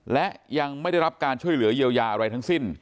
และยังไม่ได้รับการช่วยเหลือเยียวยาอะไรทั้งสิ้น